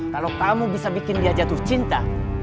kalau kamu bisa bikin dia jatuh cinta